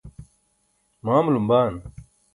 ma amulum baan?